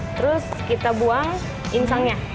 terus kita buang insangnya